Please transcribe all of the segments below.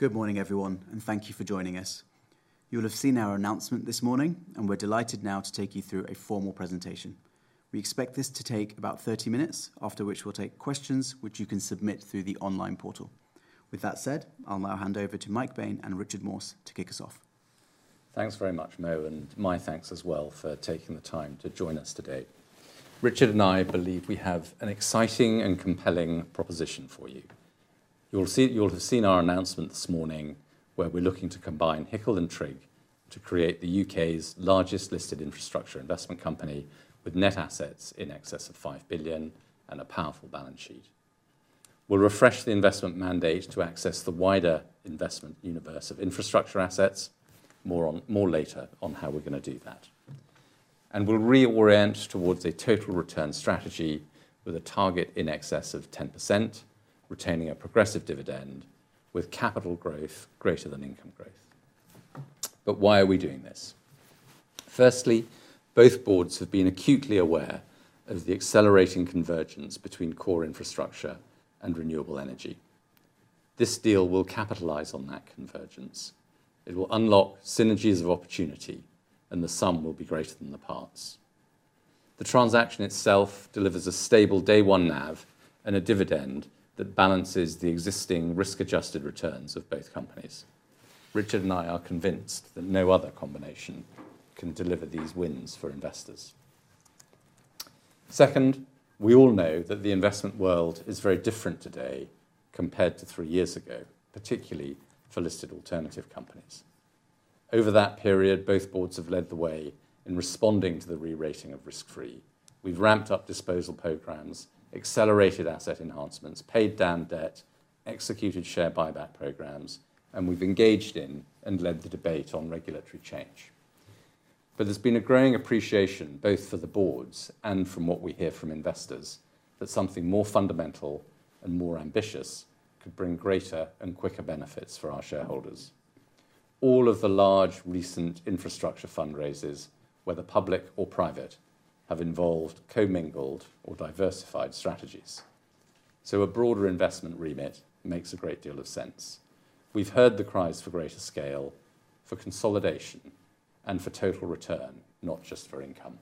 Good morning, everyone, and thank you for joining us. You will have seen our announcement this morning, and we're delighted now to take you through a formal presentation. We expect this to take about 30 minutes, after which we'll take questions which you can submit through the online portal. With that said, I'll now hand over to Mike Bane and Richard Morse to kick us off. Thanks very much, Mo, and my thanks as well for taking the time to join us today. Richard and I believe we have an exciting and compelling proposition for you. You'll have seen our announcement this morning, where we're looking to combine HICL and TRIG to create the U.K.'s largest listed infrastructure investment company with net assets in excess of $5 billion and a powerful balance sheet. We'll refresh the investment mandate to access the wider investment universe of infrastructure assets, more later on how we're going to do that. We'll reorient towards a total return strategy with a target in excess of 10%, retaining a progressive dividend with capital growth greater than income growth. Why are we doing this? Firstly, both boards have been acutely aware of the accelerating convergence between core infrastructure and renewable energy. This deal will capitalize on that convergence. It will unlock synergies of opportunity, and the sum will be greater than the parts. The transaction itself delivers a stable day-one NAV and a dividend that balances the existing risk-adjusted returns of both companies. Richard and I are convinced that no other combination can deliver these wins for investors. Second, we all know that the investment world is very different today compared to three years ago, particularly for listed alternative companies. Over that period, both boards have led the way in responding to the re-rating of risk-free. We've ramped up disposal programs, accelerated asset enhancements, paid down debt, executed share buyback programs, and we've engaged in and led the debate on regulatory change. There has been a growing appreciation, both for the boards and from what we hear from investors, that something more fundamental and more ambitious could bring greater and quicker benefits for our shareholders. All of the large recent infrastructure fundraisers, whether public or private, have involved co-mingled or diversified strategies. A broader investment remit makes a great deal of sense. We've heard the cries for greater scale, for consolidation, and for total return, not just for income.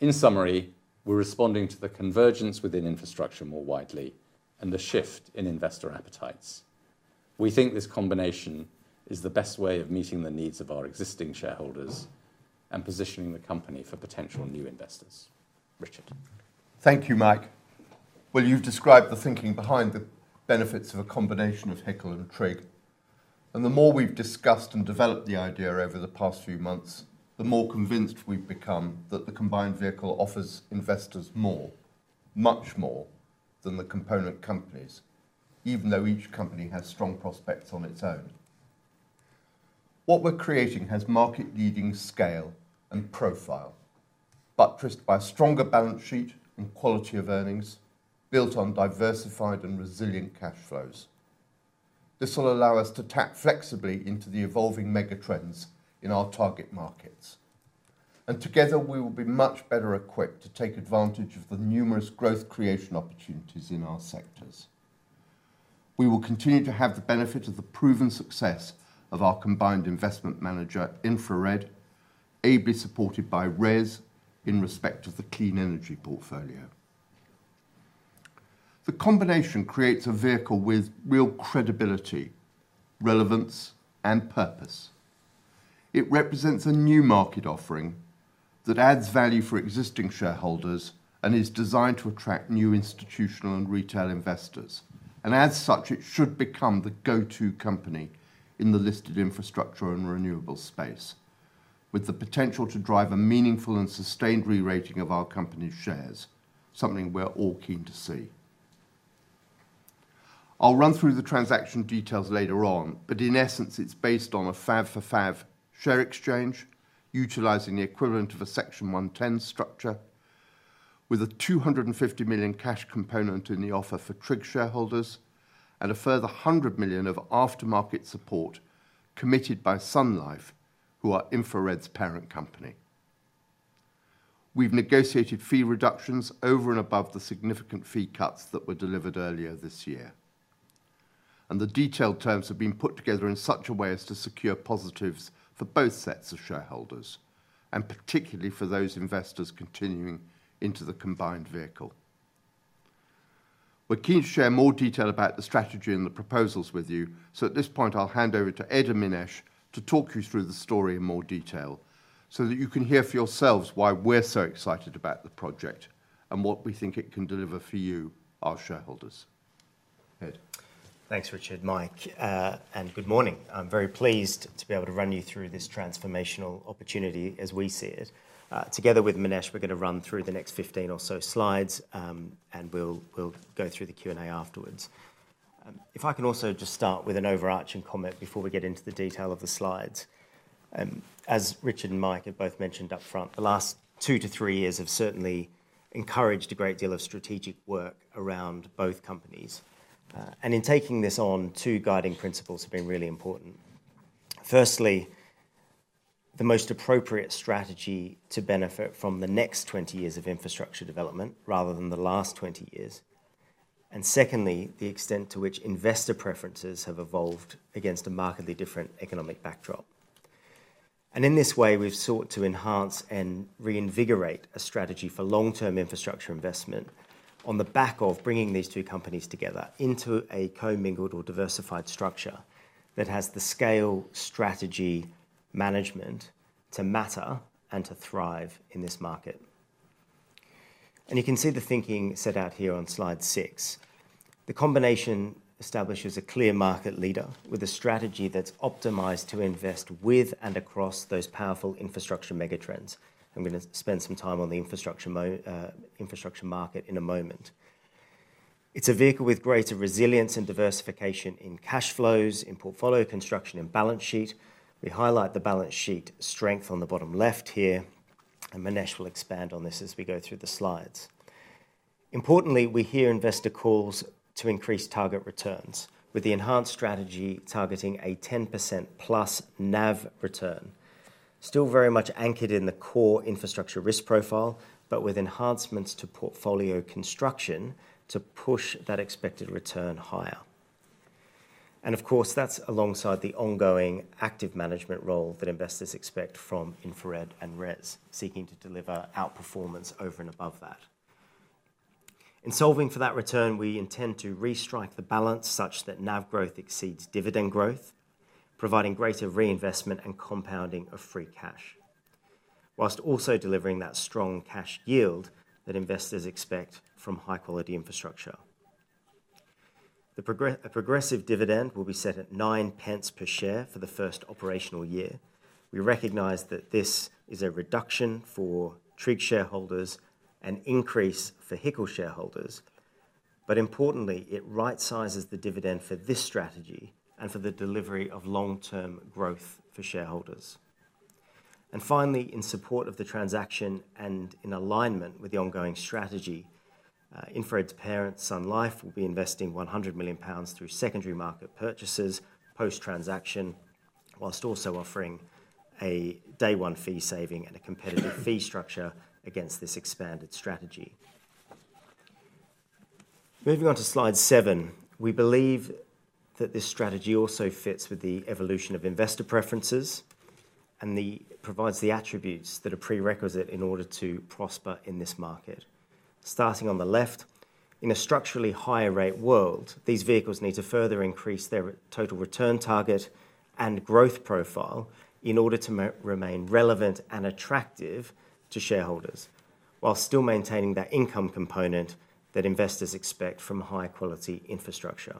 In summary, we're responding to the convergence within infrastructure more widely and the shift in investor appetites. We think this combination is the best way of meeting the needs of our existing shareholders and positioning the company for potential new investors. Richard. Thank you, Mike. You have described the thinking behind the benefits of a combination of HICL and TRIG. The more we have discussed and developed the idea over the past few months, the more convinced we have become that the combined vehicle offers investors more, much more than the component companies, even though each company has strong prospects on its own. What we are creating has market-leading scale and profile, buttressed by a stronger balance sheet and quality of earnings built on diversified and resilient cash flows. This will allow us to tap flexibly into the evolving mega trends in our target markets. Together, we will be much better equipped to take advantage of the numerous growth creation opportunities in our sectors. We will continue to have the benefit of the proven success of our combined investment manager InfraRed, ably supported by RES in respect of the clean energy portfolio. The combination creates a vehicle with real credibility, relevance, and purpose. It represents a new market offering that adds value for existing shareholders and is designed to attract new institutional and retail investors. It should become the go-to company in the listed infrastructure and renewables space, with the potential to drive a meaningful and sustained re-rating of our company's shares, something we're all keen to see. I'll run through the transaction details later on, but in essence, it's based on a FAV for FAV share exchange, utilizing the equivalent of a Section 110 structure, with a $250 million cash component in the offer for TRIG shareholders, and a further 100 million of aftermarket support committed by SunLife, who are InfraRed's parent company. We've negotiated fee reductions over and above the significant fee cuts that were delivered earlier this year. The detailed terms have been put together in such a way as to secure positives for both sets of shareholders, and particularly for those investors continuing into the combined vehicle. We are keen to share more detail about the strategy and the proposals with you, so at this point, I will hand over to Ed and Minesh to talk you through the story in more detail, so that you can hear for yourselves why we are so excited about the project and what we think it can deliver for you, our shareholders. Ed. Thanks, Richard, Mike, and good morning. I'm very pleased to be able to run you through this transformational opportunity as we see it. Together with Minesh, we're going to run through the next 15 or so slides, and we'll go through the Q&A afterwards. If I can also just start with an overarching comment before we get into the detail of the slides. As Richard and Mike have both mentioned upfront, the last two to three years have certainly encouraged a great deal of strategic work around both companies. In taking this on, two guiding principles have been really important. Firstly, the most appropriate strategy to benefit from the next 20 years of infrastructure development rather than the last 20 years. Secondly, the extent to which investor preferences have evolved against a markedly different economic backdrop. In this way, we've sought to enhance and reinvigorate a strategy for long-term infrastructure investment on the back of bringing these two companies together into a co-mingled or diversified structure that has the scale, strategy, management to matter and to thrive in this market. You can see the thinking set out here on slide six. The combination establishes a clear market leader with a strategy that's optimized to invest with and across those powerful infrastructure mega trends. I'm going to spend some time on the infrastructure market in a moment. It's a vehicle with greater resilience and diversification in cash flows, in portfolio construction, and balance sheet. We highlight the balance sheet strength on the bottom left here, and Minesh will expand on this as we go through the slides. Importantly, we hear investor calls to increase target returns, with the enhanced strategy targeting a 10%+ NAV return, still very much anchored in the core infrastructure risk profile, but with enhancements to portfolio construction to push that expected return higher. Of course, that's alongside the ongoing active management role that investors expect from InfraRed and RES, seeking to deliver outperformance over and above that. In solving for that return, we intend to re-strike the balance such that NAV growth exceeds dividend growth, providing greater reinvestment and compounding of free cash, whilst also delivering that strong cash yield that investors expect from high-quality infrastructure. The progressive dividend will be set at $0.09 per share for the first operational year. We recognize that this is a reduction for TRIG shareholders and increase for HICL shareholders. Importantly, it right-sizes the dividend for this strategy and for the delivery of long-term growth for shareholders. Finally, in support of the transaction and in alignment with the ongoing strategy, InfraRed's parent, SunLife, will be investing 100 million pounds through secondary market purchases post-transaction, whilst also offering a day-one fee saving and a competitive fee structure against this expanded strategy. Moving on to slide seven, we believe that this strategy also fits with the evolution of investor preferences and provides the attributes that are prerequisite in order to prosper in this market. Starting on the left, in a structurally higher-rate world, these vehicles need to further increase their total return target and growth profile in order to remain relevant and attractive to shareholders, while still maintaining that income component that investors expect from high-quality infrastructure.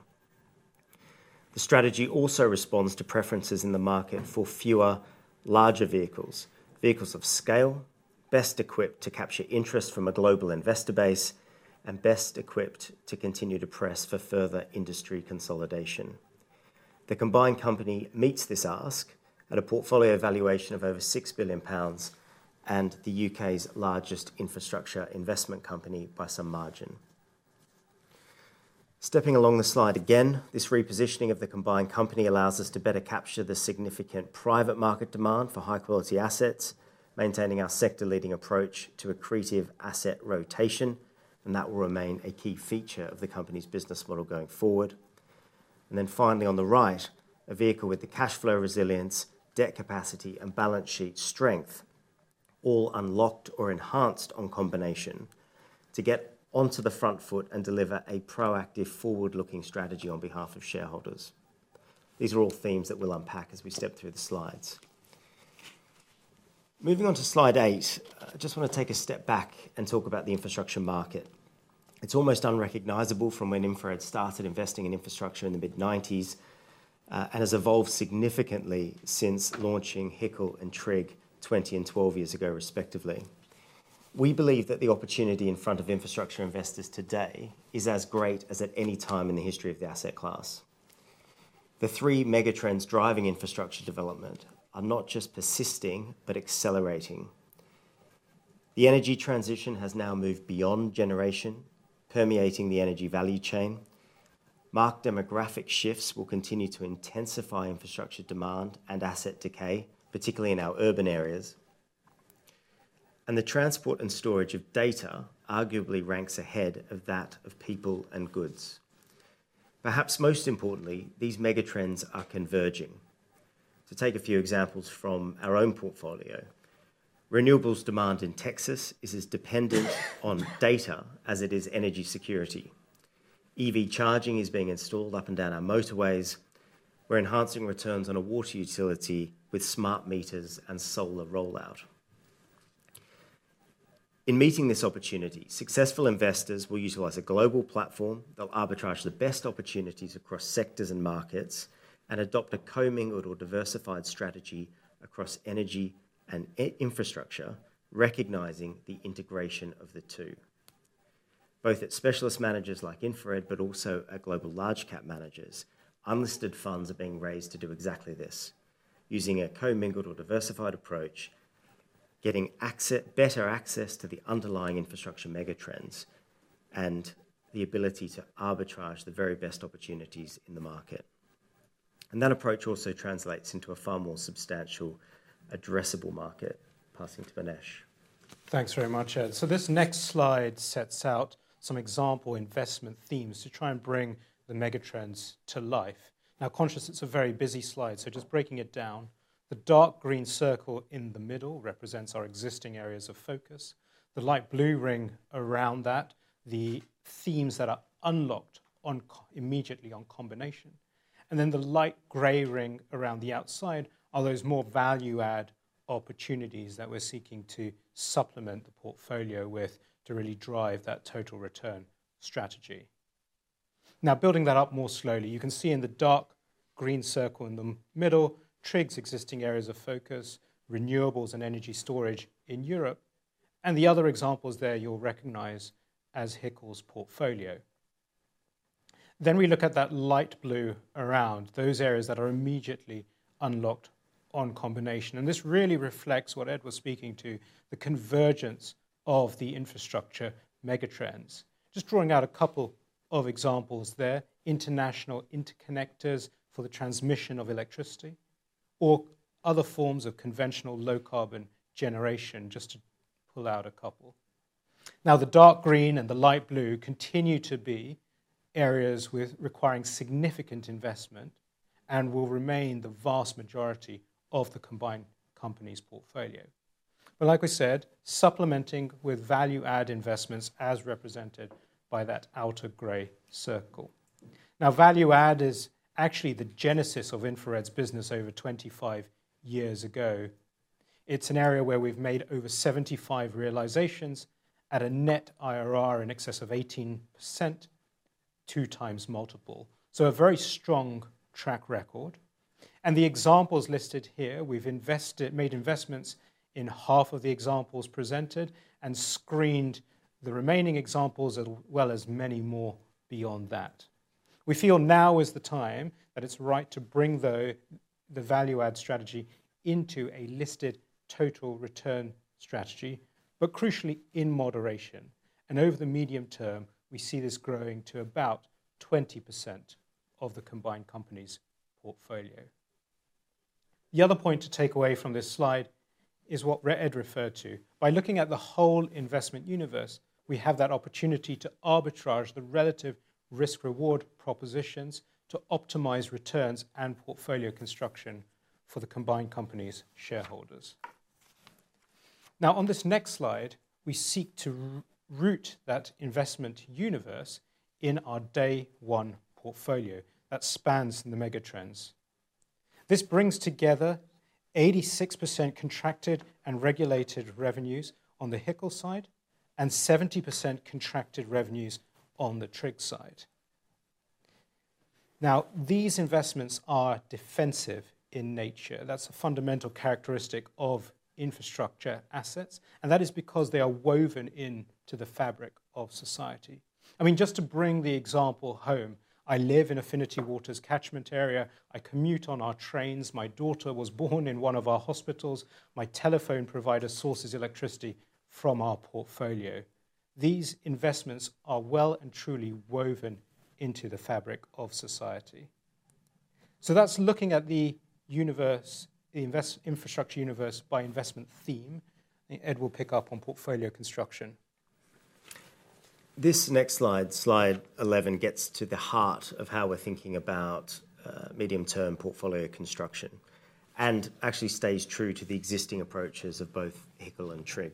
The strategy also responds to preferences in the market for fewer, larger vehicles, vehicles of scale, best equipped to capture interest from a global investor base, and best equipped to continue to press for further industry consolidation. The combined company meets this ask at a portfolio valuation of over 6 billion pounds and the U.K.'s largest infrastructure investment company by some margin. Stepping along the slide again, this repositioning of the combined company allows us to better capture the significant private market demand for high-quality assets, maintaining our sector-leading approach to accretive asset rotation, and that will remain a key feature of the company's business model going forward. Finally, on the right, a vehicle with the cash flow resilience, debt capacity, and balance sheet strength, all unlocked or enhanced on combination, to get onto the front foot and deliver a proactive, forward-looking strategy on behalf of shareholders. These are all themes that we'll unpack as we step through the slides. Moving on to slide eight, I just want to take a step back and talk about the infrastructure market. It's almost unrecognizable from when InfraRed started investing in infrastructure in the mid-1990s and has evolved significantly since launching HICL and TRIG 20 and 12 years ago, respectively. We believe that the opportunity in front of infrastructure investors today is as great as at any time in the history of the asset class. The three mega trends driving infrastructure development are not just persisting, but accelerating. The energy transition has now moved beyond generation, permeating the energy value chain. Marked demographic shifts will continue to intensify infrastructure demand and asset decay, particularly in our urban areas. The transport and storage of data arguably ranks ahead of that of people and goods. Perhaps most importantly, these mega trends are converging. To take a few examples from our own portfolio, renewables demand in Texas is as dependent on data as it is energy security. EV charging is being installed up and down our motorways. We're enhancing returns on a water utility with smart meters and solar rollout. In meeting this opportunity, successful investors will utilize a global platform. They'll arbitrage the best opportunities across sectors and markets and adopt a co-mingled or diversified strategy across energy and infrastructure, recognizing the integration of the two. Both at specialist managers like InfraRed, but also at global large-cap managers, unlisted funds are being raised to do exactly this, using a co-mingled or diversified approach, getting better access to the underlying infrastructure mega trends and the ability to arbitrage the very best opportunities in the market. That approach also translates into a far more substantial, addressable market. Passing to Minesh. Thanks very much, Ed. This next slide sets out some example investment themes to try and bring the mega trends to life. Now, conscious it's a very busy slide, just breaking it down, the dark green circle in the middle represents our existing areas of focus. The light blue ring around that, the themes that are unlocked immediately on combination. The light gray ring around the outside are those more value-add opportunities that we're seeking to supplement the portfolio with to really drive that total return strategy. Now, building that up more slowly, you can see in the dark green circle in the middle, TRIG's existing areas of focus, renewables and energy storage in Europe, and the other examples there you'll recognize as HICL's portfolio. We look at that light blue around, those areas that are immediately unlocked on combination. This really reflects what Ed was speaking to, the convergence of the infrastructure mega trends. Just drawing out a couple of examples there, international interconnectors for the transmission of electricity or other forms of conventional low-carbon generation, just to pull out a couple. The dark green and the light blue continue to be areas requiring significant investment and will remain the vast majority of the combined company's portfolio. Like we said, supplementing with value-add investments as represented by that outer gray circle. Value-add is actually the genesis of InfraRed's business over 25 years ago. It is an area where we've made over 75 realizations at a net IRR in excess of 18%, two times multiple. A very strong track record. The examples listed here, we've made investments in half of the examples presented and screened the remaining examples as well as many more beyond that. We feel now is the time that it's right to bring the value-add strategy into a listed total return strategy, but crucially in moderation. Over the medium term, we see this growing to about 20% of the combined company's portfolio. The other point to take away from this slide is what Ed referred to. By looking at the whole investment universe, we have that opportunity to arbitrage the relative risk-reward propositions to optimize returns and portfolio construction for the combined company's shareholders. On this next slide, we seek to root that investment universe in our day-one portfolio that spans the mega trends. This brings together 86% contracted and regulated revenues on the HICL side and 70% contracted revenues on the TRIG side. These investments are defensive in nature. That's a fundamental characteristic of infrastructure assets, and that is because they are woven into the fabric of society. I mean, just to bring the example home, I live in Affinity Water's catchment area. I commute on our trains. My daughter was born in one of our hospitals. My telephone provider sources electricity from our portfolio. These investments are well and truly woven into the fabric of society. That is looking at the infrastructure universe by investment theme. Ed will pick up on portfolio construction. This next slide, slide 11, gets to the heart of how we're thinking about medium-term portfolio construction and actually stays true to the existing approaches of both HICL and TRIG.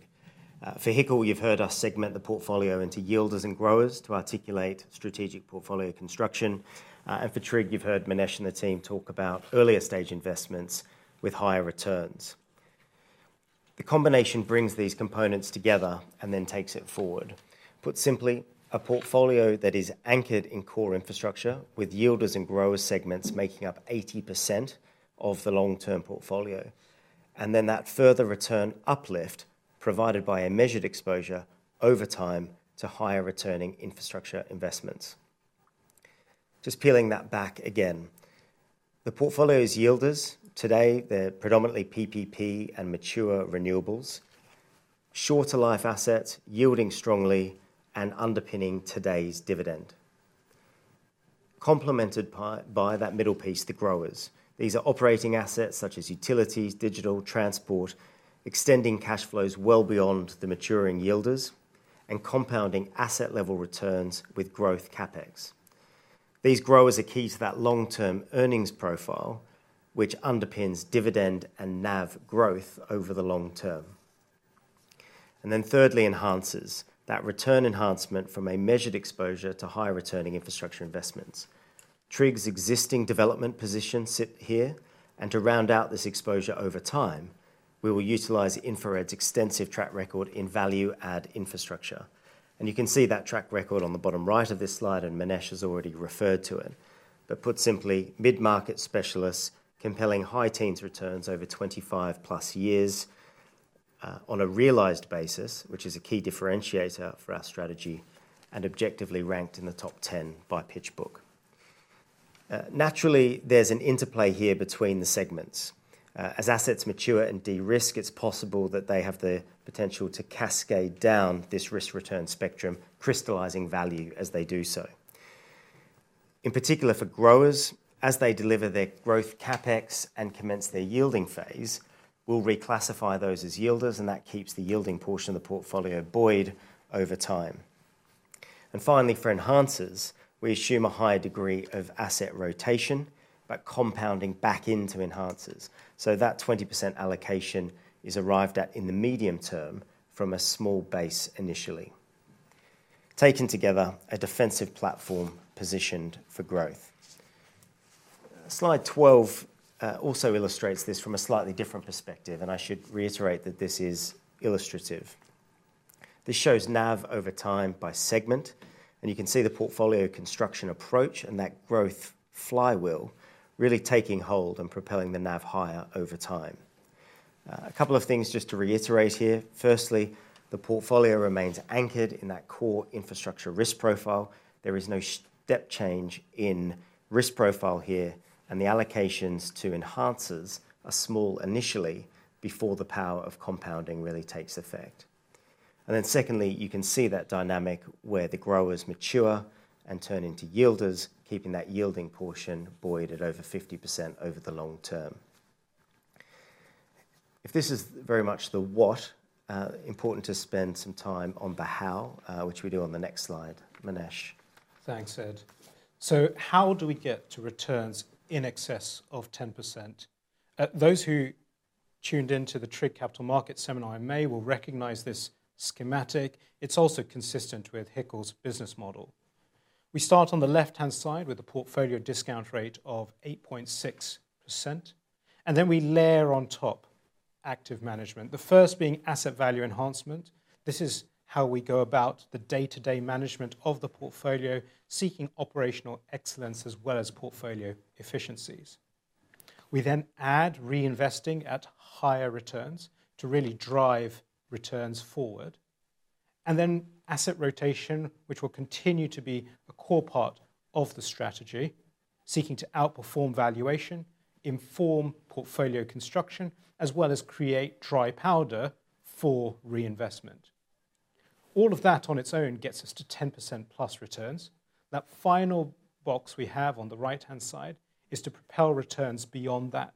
For HICL, you've heard us segment the portfolio into yielders and growers to articulate strategic portfolio construction. For TRIG, you've heard Minesh and the team talk about earlier stage investments with higher returns. The combination brings these components together and then takes it forward. Put simply, a portfolio that is anchored in core infrastructure with yielders and growers segments making up 80% of the long-term portfolio, and then that further return uplift provided by a measured exposure over time to higher returning infrastructure investments. Just peeling that back again, the portfolio's yielders today, they're predominantly PPP and mature renewables, shorter life assets yielding strongly and underpinning today's dividend, complemented by that middle piece, the growers. These are operating assets such as utilities, digital, transport, extending cash flows well beyond the maturing yielders and compounding asset-level returns with growth CapEx. These growers are key to that long-term earnings profile, which underpins dividend and NAV growth over the long term. Thirdly, it enhances that return enhancement from a measured exposure to higher returning infrastructure investments. TRIG's existing development positions sit here. To round out this exposure over time, we will utilize InfraRed's extensive track record in value-add infrastructure. You can see that track record on the bottom right of this slide, and Minesh has already referred to it. Put simply, mid-market specialists compelling high-teens returns over 25-plus years on a realized basis, which is a key differentiator for our strategy and objectively ranked in the top 10 by Pitchbook. Naturally, there is an interplay here between the segments. As assets mature and de-risk, it's possible that they have the potential to cascade down this risk-return spectrum, crystallizing value as they do so. In particular, for growers, as they deliver their growth CapEx and commence their yielding phase, we will reclassify those as yielders, and that keeps the yielding portion of the portfolio buoyed over time. Finally, for enhancers, we assume a higher degree of asset rotation, but compounding back into enhancers. That 20% allocation is arrived at in the medium term from a small base initially. Taken together, a defensive platform positioned for growth. Slide 12 also illustrates this from a slightly different perspective, and I should reiterate that this is illustrative. This shows NAV over time by segment, and you can see the portfolio construction approach and that growth flywheel really taking hold and propelling the NAV higher over time. A couple of things just to reiterate here. Firstly, the portfolio remains anchored in that core infrastructure risk profile. There is no step change in risk profile here, and the allocations to enhancers are small initially before the power of compounding really takes effect. Secondly, you can see that dynamic where the growers mature and turn into yielders, keeping that yielding portion buoyed at over 50% over the long term. If this is very much the what, important to spend some time on the how, which we do on the next slide. Minesh. Thanks, Ed. How do we get to returns in excess of 10%? Those who tuned into the TRIG Capital Markets seminar in May will recognize this schematic. It is also consistent with HICL's business model. We start on the left-hand side with a portfolio discount rate of 8.6%, and then we layer on top active management, the first being asset value enhancement. This is how we go about the day-to-day management of the portfolio, seeking operational excellence as well as portfolio efficiencies. We then add reinvesting at higher returns to really drive returns forward. Asset rotation will continue to be a core part of the strategy, seeking to outperform valuation, inform portfolio construction, as well as create dry powder for reinvestment. All of that on its own gets us to 10% plus returns. That final box we have on the right-hand side is to propel returns beyond that.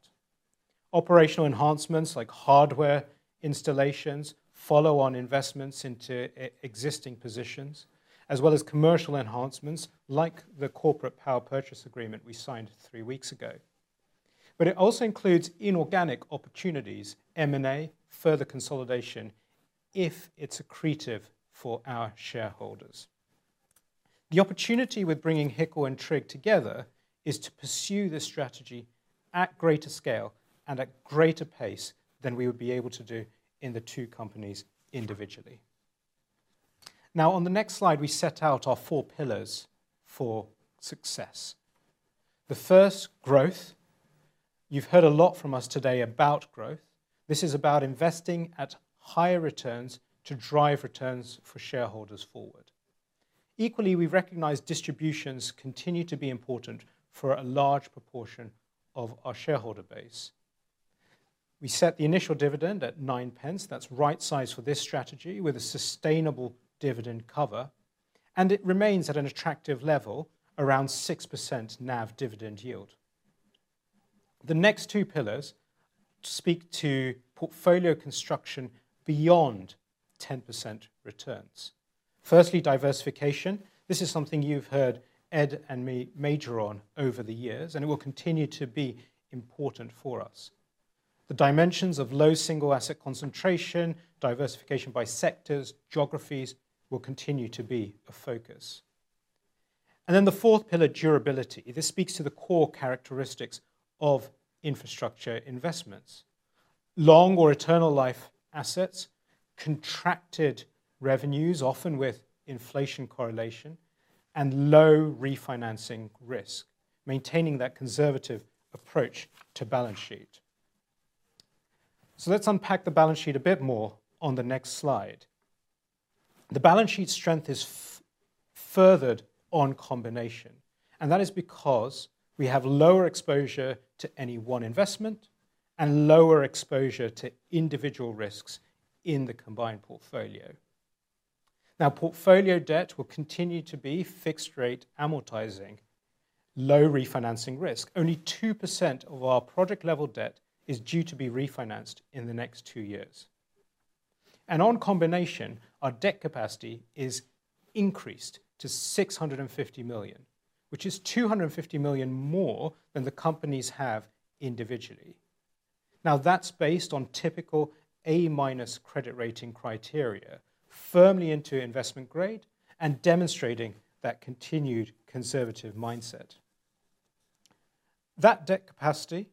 Operational enhancements like hardware installations, follow-on investments into existing positions, as well as commercial enhancements like the corporate power purchase agreement we signed three weeks ago. It also includes inorganic opportunities, M&A, further consolidation if it's accretive for our shareholders. The opportunity with bringing HICL and TRIG together is to pursue this strategy at greater scale and at greater pace than we would be able to do in the two companies individually. Now, on the next slide, we set out our four pillars for success. The first, growth. You've heard a lot from us today about growth. This is about investing at higher returns to drive returns for shareholders forward. Equally, we recognize distributions continue to be important for a large proportion of our shareholder base. We set the initial dividend at 9 pence. That's right size for this strategy with a sustainable dividend cover, and it remains at an attractive level, around 6% NAV dividend yield. The next two pillars speak to portfolio construction beyond 10% returns. Firstly, diversification. This is something you've heard Ed and me major on over the years, and it will continue to be important for us. The dimensions of low single asset concentration, diversification by sectors, geographies will continue to be a focus. The fourth pillar, durability. This speaks to the core characteristics of infrastructure investments. Long or eternal life assets, contracted revenues, often with inflation correlation, and low refinancing risk, maintaining that conservative approach to balance sheet. Let's unpack the balance sheet a bit more on the next slide. The balance sheet strength is furthered on combination, and that is because we have lower exposure to any one investment and lower exposure to individual risks in the combined portfolio. Now, portfolio debt will continue to be fixed-rate amortizing, low refinancing risk. Only 2% of our project-level debt is due to be refinanced in the next two years. On combination, our debt capacity is increased to 650 million, which is 250 million more than the companies have individually. That is based on typical A-minus credit rating criteria, firmly into investment grade and demonstrating that continued conservative mindset. That debt capacity,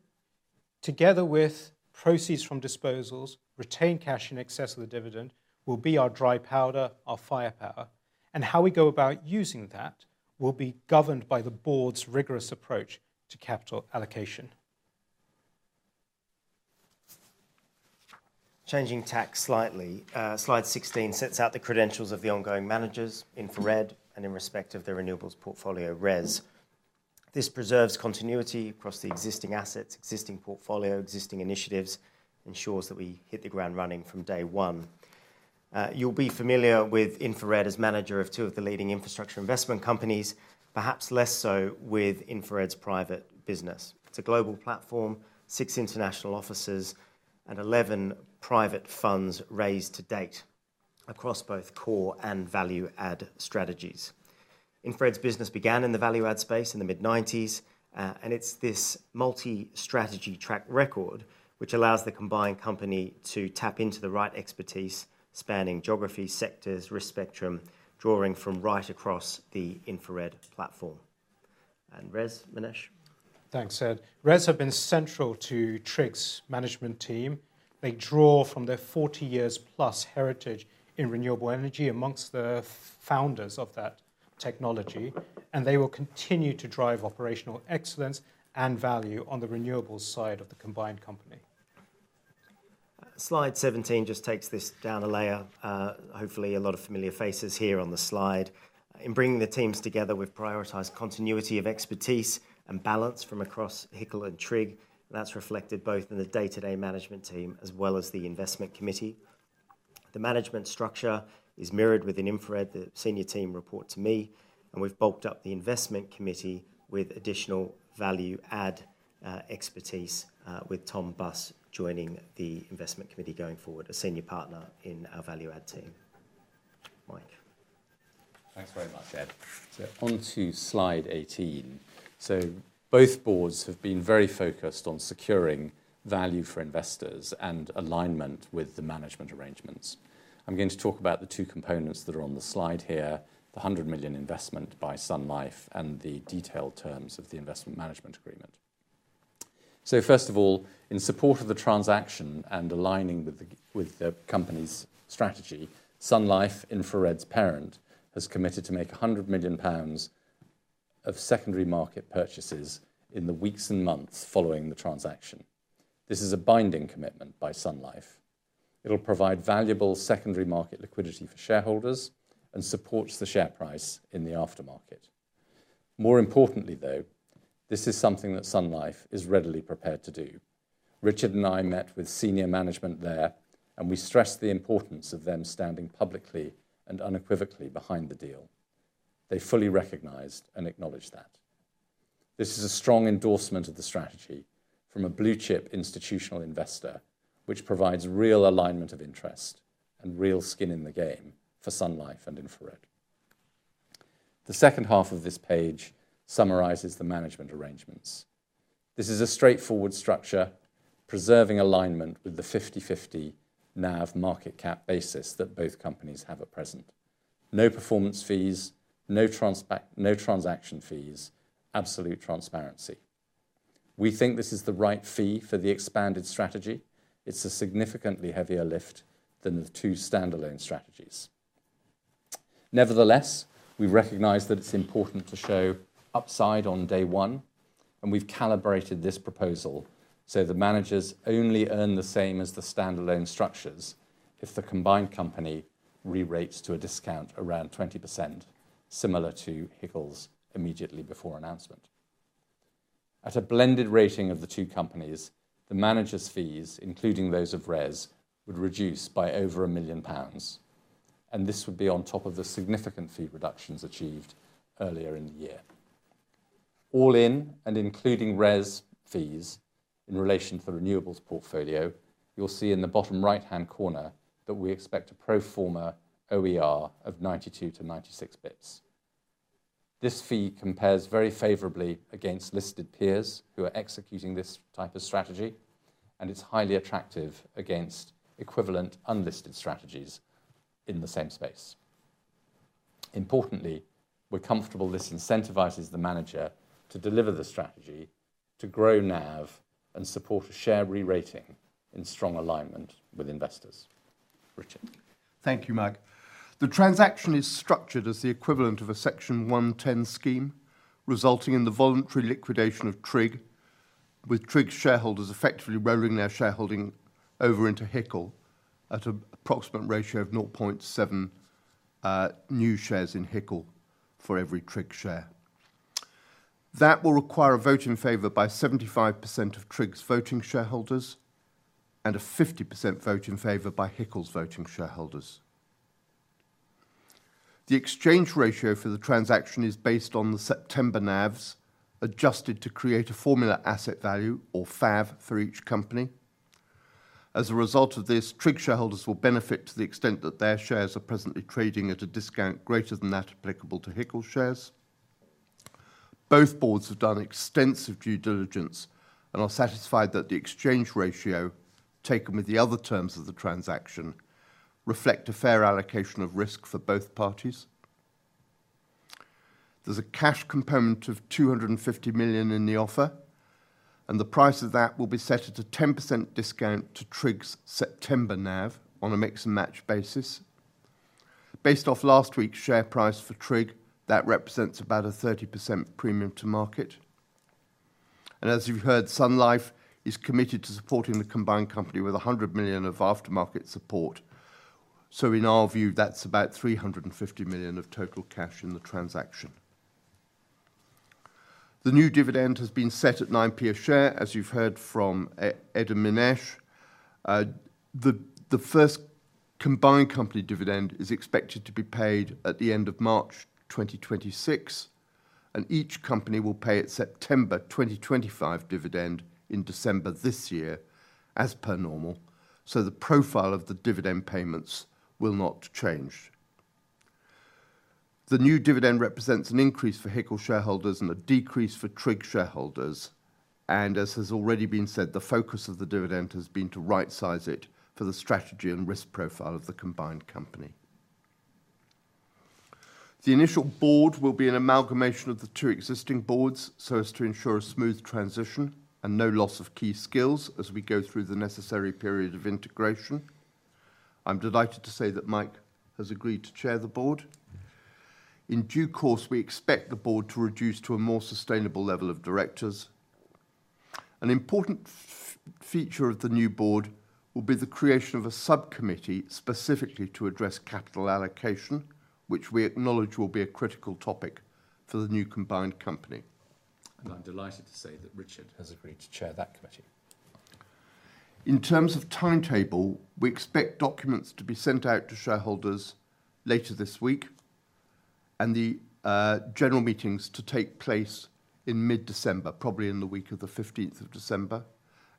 together with proceeds from disposals, retained cash in excess of the dividend, will be our dry powder, our firepower. How we go about using that will be governed by the board's rigorous approach to capital allocation. Changing tack slightly, slide 16 sets out the credentials of the ongoing managers, InfraRed, and in respect of the renewables portfolio, RES. This preserves continuity across the existing assets, existing portfolio, existing initiatives, ensures that we hit the ground running from day one. You'll be familiar with InfraRed as manager of two of the leading infrastructure investment companies, perhaps less so with InfraRed's private business. It's a global platform, six international offices, and 11 private funds raised to date across both core and value-add strategies. InfraRed's business began in the value-add space in the mid-1990s, and it's this multi-strategy track record which allows the combined company to tap into the right expertise, spanning geographies, sectors, risk spectrum, drawing from right across the InfraRed platform. RES, Minesh? Thanks, Ed. RES have been central to TRIG's management team. They draw from their 40-year-plus heritage in renewable energy amongst the founders of that technology, and they will continue to drive operational excellence and value on the renewables side of the combined company. Slide 17 just takes this down a layer. Hopefully, a lot of familiar faces here on the slide. In bringing the teams together, we've prioritized continuity of expertise and balance from across HICL and TRIG. That's reflected both in the day-to-day management team as well as the investment committee. The management structure is mirrored within InfraRed. The senior team report to me, and we've bulked up the investment committee with additional value-add expertise, with Tom Buss joining the investment committee going forward, a senior partner in our value-add team. Mike. Thanks very much, Ed. On to slide 18. Both boards have been very focused on securing value for investors and alignment with the management arrangements. I'm going to talk about the two components that are on the slide here, the 100 million investment by SunLife and the detailed terms of the investment management agreement. First of all, in support of the transaction and aligning with the company's strategy, SunLife, InfraRed's parent, has committed to make 100 million pounds of secondary market purchases in the weeks and months following the transaction. This is a binding commitment by SunLife. It'll provide valuable secondary market liquidity for shareholders and supports the share price in the aftermarket. More importantly, though, this is something that SunLife is readily prepared to do. Richard and I met with senior management there, and we stressed the importance of them standing publicly and unequivocally behind the deal. They fully recognized and acknowledged that. This is a strong endorsement of the strategy from a blue-chip institutional investor, which provides real alignment of interest and real skin in the game for SunLife and InfraRed. The second half of this page summarizes the management arrangements. This is a straightforward structure, preserving alignment with the 50/50 NAV market cap basis that both companies have at present. No performance fees, no transaction fees, absolute transparency. We think this is the right fee for the expanded strategy. It is a significantly heavier lift than the two standalone strategies. Nevertheless, we recognize that it's important to show upside on day one, and we've calibrated this proposal so the managers only earn the same as the standalone structures if the combined company re-rates to a discount around 20%, similar to HICL's immediately before announcement. At a blended rating of the two companies, the managers' fees, including those of RES, would reduce by over 1 million pounds. This would be on top of the significant fee reductions achieved earlier in the year. All in, and including RES fees, in relation to the renewables portfolio, you'll see in the bottom right-hand corner that we expect a pro forma OER of 92-96 basis points. This fee compares very favorably against listed peers who are executing this type of strategy, and it's highly attractive against equivalent unlisted strategies in the same space. Importantly, we're comfortable this incentivizes the manager to deliver the strategy to grow NAV and support a share re-rating in strong alignment with investors. Richard. Thank you, Mike. The transaction is structured as the equivalent of a Section 110 scheme, resulting in the voluntary liquidation of TRIG, with TRIG's shareholders effectively rolling their shareholding over into HICL at an approximate ratio of 0.7 new shares in HICL for every TRIG share. That will require a vote in favor by 75% of TRIG's voting shareholders and a 50% vote in favor by HICL's voting shareholders. The exchange ratio for the transaction is based on the September NAVs adjusted to create a formula asset value, or FAV, for each company. As a result of this, TRIG shareholders will benefit to the extent that their shares are presently trading at a discount greater than that applicable to HICL shares. Both boards have done extensive due diligence and are satisfied that the exchange ratio taken with the other terms of the transaction reflects a fair allocation of risk for both parties. There is a cash component of $250 million in the offer, and the price of that will be set at a 10% discount to TRIG's September NAV on a mix-and-match basis. Based off last week's share price for TRIG, that represents about a 30% premium to market. As you have heard, SunLife is committed to supporting the combined company with 100 million of aftermarket support. In our view, that is about 350 million of total cash in the transaction. The new dividend has been set at 0.09 a share, as you have heard from Ed and Minesh. The first combined company dividend is expected to be paid at the end of March 2026, and each company will pay its September 2025 dividend in December this year, as per normal. The profile of the dividend payments will not change. The new dividend represents an increase for HICL shareholders and a decrease for TRIG shareholders. As has already been said, the focus of the dividend has been to right-size it for the strategy and risk profile of the combined company. The initial board will be an amalgamation of the two existing boards so as to ensure a smooth transition and no loss of key skills as we go through the necessary period of integration. I'm delighted to say that Mike has agreed to chair the board. In due course, we expect the board to reduce to a more sustainable level of directors. An important feature of the new board will be the creation of a subcommittee specifically to address capital allocation, which we acknowledge will be a critical topic for the new combined company. I'm delighted to say that Richard has agreed to chair that committee. In terms of timetable, we expect documents to be sent out to shareholders later this week and the general meetings to take place in mid-December, probably in the week of the 15th of December,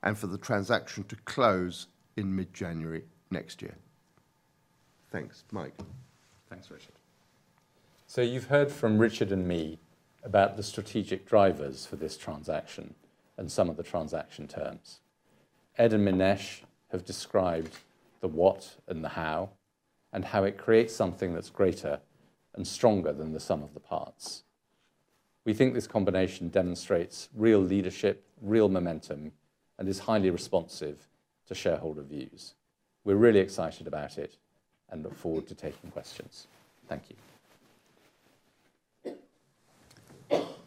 and for the transaction to close in mid-January next year. Thanks, Mike. Thanks, Richard. You have heard from Richard and me about the strategic drivers for this transaction and some of the transaction terms. Ed and Minesh have described the what and the how and how it creates something that is greater and stronger than the sum of the parts. We think this combination demonstrates real leadership, real momentum, and is highly responsive to shareholder views. We are really excited about it and look forward to taking questions. Thank you.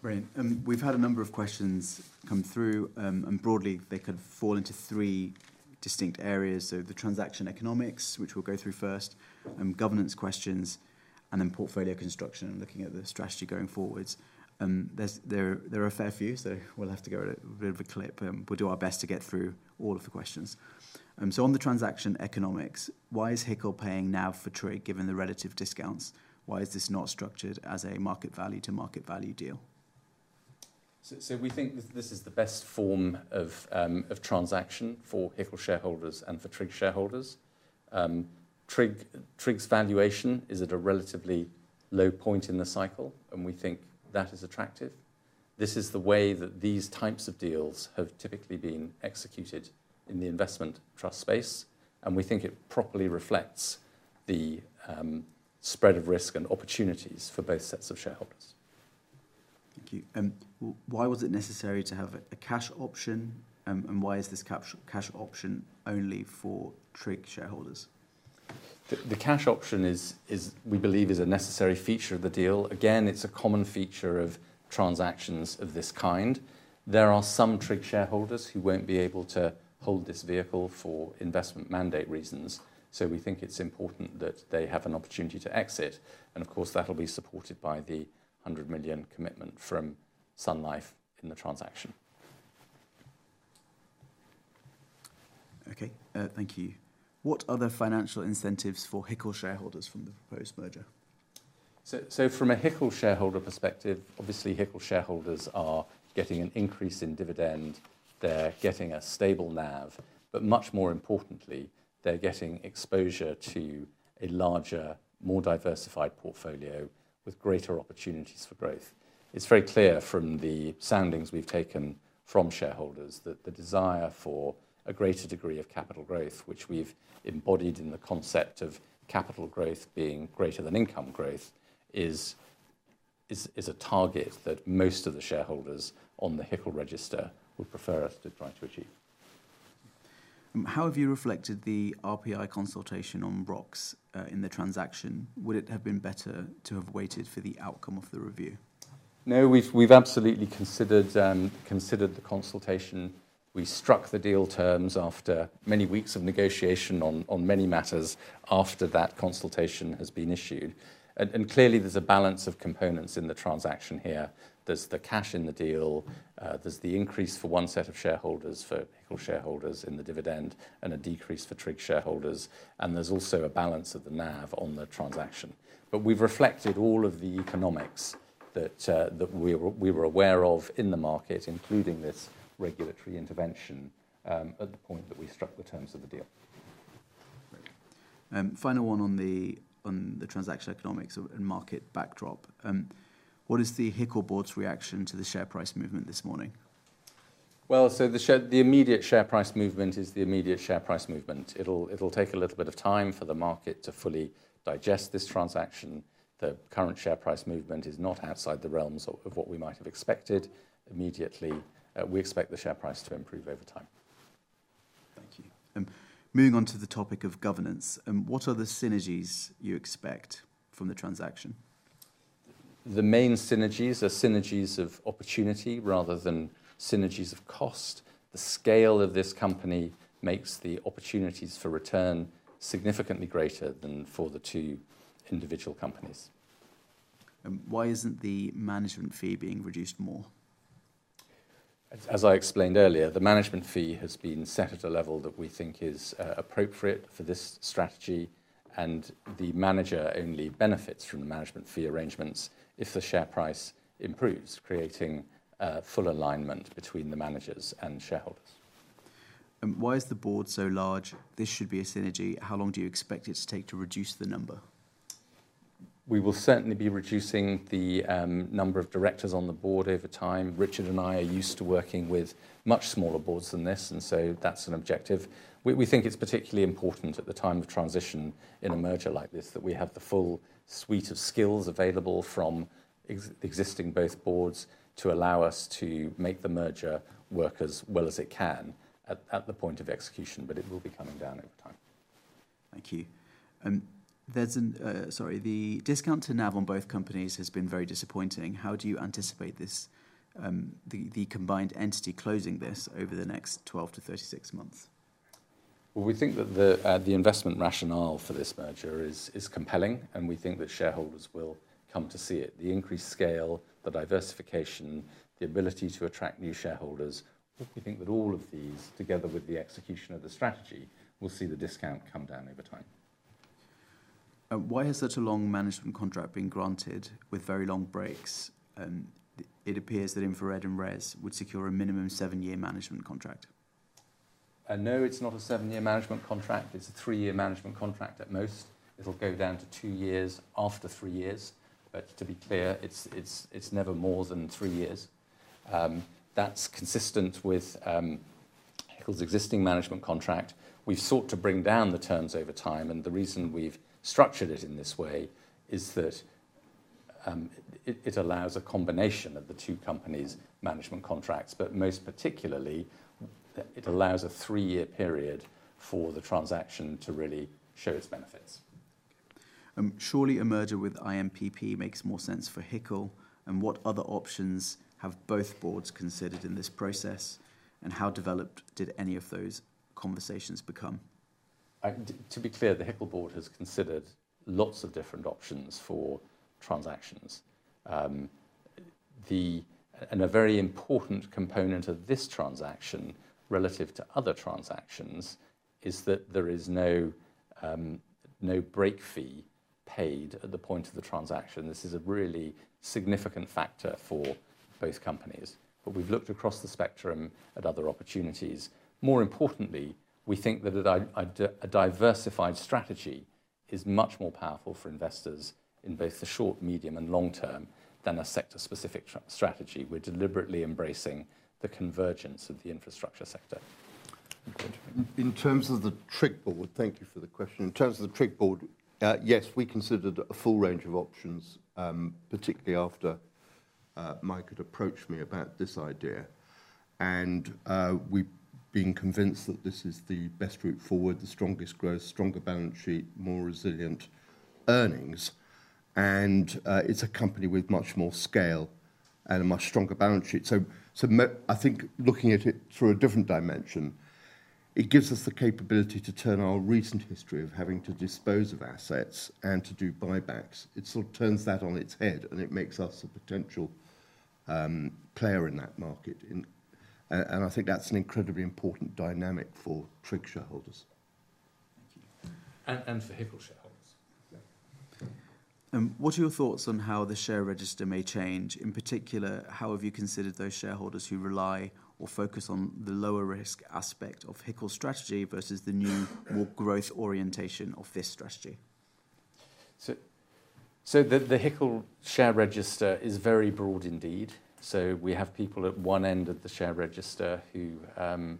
Brilliant. We've had a number of questions come through, and broadly, they could fall into three distinct areas. The transaction economics, which we'll go through first, governance questions, and then portfolio construction, looking at the strategy going forwards. There are a fair few, so we'll have to go at a bit of a clip. We'll do our best to get through all of the questions. On the transaction economics, why is HICL paying NAV for TRIG given the relative discounts? Why is this not structured as a market value-to-market value deal? We think this is the best form of transaction for HICL shareholders and for TRIG shareholders. TRIG's valuation is at a relatively low point in the cycle, and we think that is attractive. This is the way that these types of deals have typically been executed in the investment trust space, and we think it properly reflects the spread of risk and opportunities for both sets of shareholders. Thank you. Why was it necessary to have a cash option, and why is this cash option only for TRIG shareholders? The cash option we believe is a necessary feature of the deal. Again, it is a common feature of transactions of this kind. There are some TRIG shareholders who will not be able to hold this vehicle for investment mandate reasons, so we think it is important that they have an opportunity to exit. Of course, that will be supported by the 100 million commitment from SunLife in the transaction. Okay. Thank you. What other financial incentives for HICL shareholders from the proposed merger? From a HICL shareholder perspective, obviously, HICL shareholders are getting an increase in dividend. They're getting a stable NAV, but much more importantly, they're getting exposure to a larger, more diversified portfolio with greater opportunities for growth. It's very clear from the soundings we've taken from shareholders that the desire for a greater degree of capital growth, which we've embodied in the concept of capital growth being greater than income growth, is a target that most of the shareholders on the HICL register would prefer us to try to achieve. How have you reflected the RPI consultation on ROCs in the transaction? Would it have been better to have waited for the outcome of the review? No, we've absolutely considered the consultation. We struck the deal terms after many weeks of negotiation on many matters after that consultation has been issued. Clearly, there's a balance of components in the transaction here. There's the cash in the deal. There's the increase for one set of shareholders, for HICL shareholders in the dividend, and a decrease for TRIG shareholders. There's also a balance of the NAV on the transaction. We've reflected all of the economics that we were aware of in the market, including this regulatory intervention at the point that we struck the terms of the deal. Final one on the transaction economics and market backdrop. What is the HICL board's reaction to the share price movement this morning? The immediate share price movement is the immediate share price movement. It'll take a little bit of time for the market to fully digest this transaction. The current share price movement is not outside the realms of what we might have expected. Immediately, we expect the share price to improve over time. Thank you. Moving on to the topic of governance, what are the synergies you expect from the transaction? The main synergies are synergies of opportunity rather than synergies of cost. The scale of this company makes the opportunities for return significantly greater than for the two individual companies. Why isn't the management fee being reduced more? As I explained earlier, the management fee has been set at a level that we think is appropriate for this strategy, and the manager only benefits from the management fee arrangements if the share price improves, creating full alignment between the managers and shareholders. Why is the board so large? This should be a synergy. How long do you expect it to take to reduce the number? We will certainly be reducing the number of directors on the board over time. Richard and I are used to working with much smaller boards than this, and so that's an objective. We think it's particularly important at the time of transition in a merger like this that we have the full suite of skills available from existing both boards to allow us to make the merger work as well as it can at the point of execution, but it will be coming down over time. Thank you. Sorry, the discount to NAV on both companies has been very disappointing. How do you anticipate the combined entity closing this over the next 12-36 months? We think that the investment rationale for this merger is compelling, and we think that shareholders will come to see it. The increased scale, the diversification, the ability to attract new shareholders, we think that all of these, together with the execution of the strategy, will see the discount come down over time. Why has such a long management contract been granted with very long breaks? It appears that InfraRed and RES would secure a minimum seven-year management contract. No, it's not a seven-year management contract. It's a three-year management contract at most. It'll go down to two years after three years, but to be clear, it's never more than three years. That's consistent with HICL's existing management contract. We've sought to bring down the terms over time, and the reason we've structured it in this way is that it allows a combination of the two companies' management contracts, but most particularly, it allows a three-year period for the transaction to really show its benefits. Surely a merger with IMPP makes more sense for HICL. What other options have both boards considered in this process, and how developed did any of those conversations become? To be clear, the HICL board has considered lots of different options for transactions. A very important component of this transaction relative to other transactions is that there is no break fee paid at the point of the transaction. This is a really significant factor for both companies. We have looked across the spectrum at other opportunities. More importantly, we think that a diversified strategy is much more powerful for investors in both the short, medium, and long term than a sector-specific strategy. We are deliberately embracing the convergence of the infrastructure sector. In terms of the TRIG board, thank you for the question, in terms of the TRIG board, yes, we considered a full range of options, particularly after Mike had approached me about this idea. We have been convinced that this is the best route forward, the strongest growth, stronger balance sheet, more resilient earnings. It is a company with much more scale and a much stronger balance sheet. I think looking at it through a different dimension, it gives us the capability to turn our recent history of having to dispose of assets and to do buybacks. It sort of turns that on its head, and it makes us a potential player in that market. I think that is an incredibly important dynamic for TRIG shareholders. Thank you. For HICL shareholders, what are your thoughts on how the share register may change? In particular, how have you considered those shareholders who rely or focus on the lower risk aspect of HICL strategy versus the new, more growth orientation of this strategy? The HICL share register is very broad indeed. We have people at one end of the share register who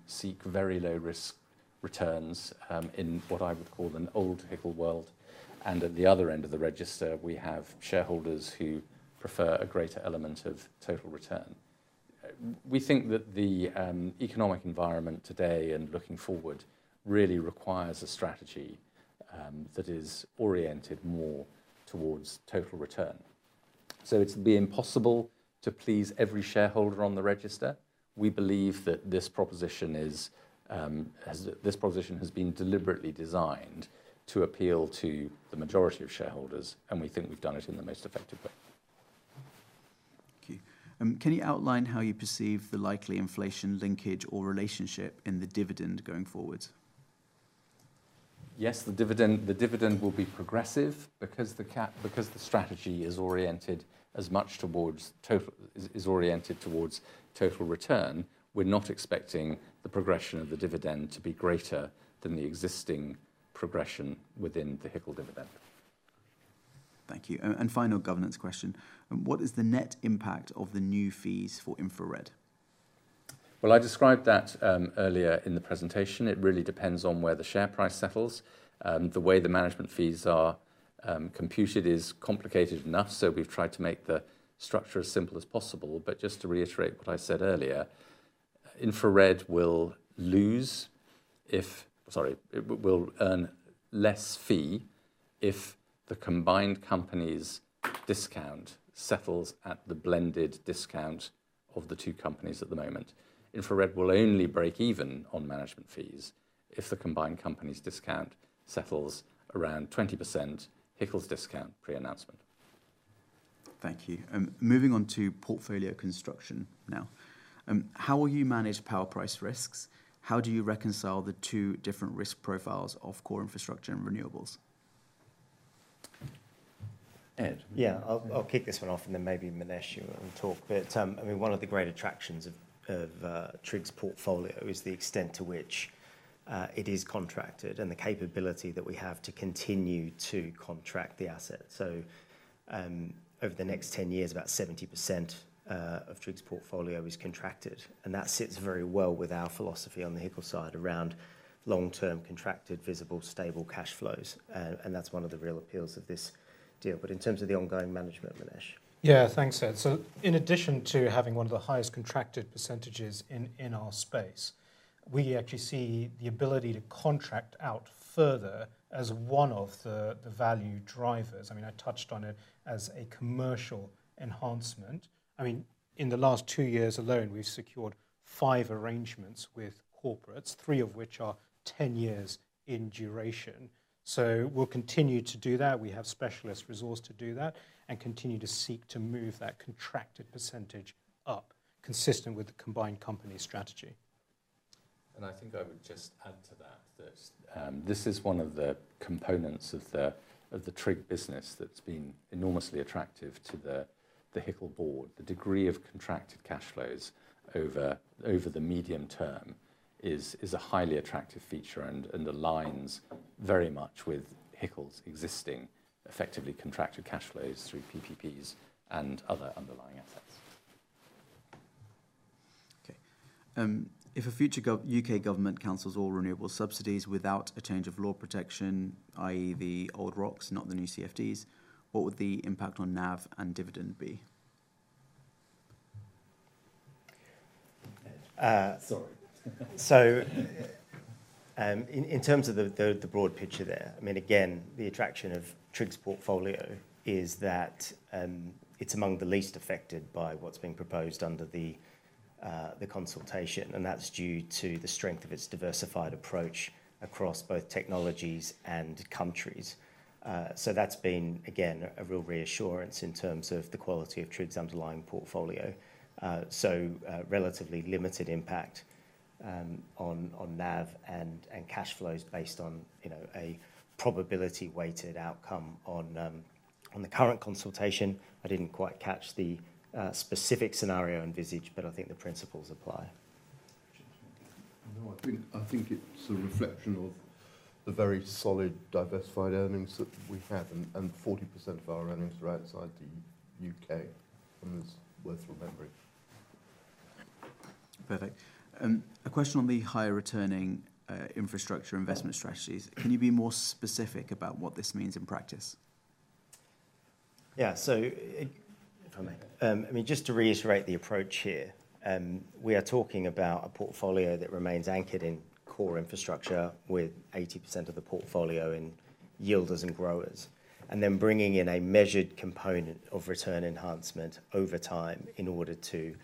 seek very low risk returns in what I would call an old HICL world. At the other end of the register, we have shareholders who prefer a greater element of total return. We think that the economic environment today and looking forward really requires a strategy that is oriented more towards total return. It has not been possible to please every shareholder on the register. We believe that this proposition has been deliberately designed to appeal to the majority of shareholders, and we think we have done it in the most effective way. Thank you. Can you outline how you perceive the likely inflation linkage or relationship in the dividend going forward? Yes, the dividend will be progressive. Because the strategy is oriented as much towards total return, we're not expecting the progression of the dividend to be greater than the existing progression within the HICL dividend. Thank you. Final governance question. What is the net impact of the new fees for InfraRed? I described that earlier in the presentation. It really depends on where the share price settles. The way the management fees are computed is complicated enough, so we have tried to make the structure as simple as possible. Just to reiterate what I said earlier, InfraRed will lose, sorry, will earn less fee if the combined company's discount settles at the blended discount of the two companies at the moment. InfraRed will only break even on management fees if the combined company's discount settles around 20% HICL's discount pre-announcement. Thank you. Moving on to portfolio construction now. How will you manage power price risks? How do you reconcile the two different risk profiles of core infrastructure and renewables? Yeah, I'll kick this one off, and then maybe Minesh will talk. I mean, one of the great attractions of TRIG's portfolio is the extent to which it is contracted and the capability that we have to continue to contract the asset. Over the next 10 years, about 70% of TRIG's portfolio is contracted. That sits very well with our philosophy on the HICL side around long-term contracted, visible, stable cash flows. That is one of the real appeals of this deal. In terms of the ongoing management, Minesh. Yeah, thanks, Ed. In addition to having one of the highest contracted percentages in our space, we actually see the ability to contract out further as one of the value drivers. I mean, I touched on it as a commercial enhancement. I mean, in the last two years alone, we've secured five arrangements with corporates, three of which are 10 years in duration. We'll continue to do that. We have specialist resources to do that and continue to seek to move that contracted percentage up, consistent with the combined company strategy. I think I would just add to that that this is one of the components of the TRIG business that's been enormously attractive to the HICL board. The degree of contracted cash flows over the medium term is a highly attractive feature and aligns very much with HICL's existing effectively contracted cash flows through PPPs and other underlying assets. Okay. If a future U.K. government cancels all renewable subsidies without a change of law protection, i.e., the old ROCs, not the new CFDs, what would the impact on NAV and dividend be? Sorry. In terms of the broad picture there, I mean, again, the attraction of TRIG's portfolio is that it's among the least affected by what's been proposed under the consultation, and that's due to the strength of its diversified approach across both technologies and countries. That's been, again, a real reassurance in terms of the quality of TRIG's underlying portfolio. Relatively limited impact on NAV and cash flows based on a probability-weighted outcome on the current consultation. I didn't quite catch the specific scenario envisaged, but I think the principles apply. No, I think it's a reflection of the very solid diversified earnings that we have, and 40% of our earnings are outside the U.K., and it's worth remembering. Perfect. A question on the higher returning infrastructure investment strategies. Can you be more specific about what this means in practice? Yeah, if I may. I mean, just to reiterate the approach here, we are talking about a portfolio that remains anchored in core infrastructure with 80% of the portfolio in yielders and growers, and then bringing in a measured component of return enhancement over time in order to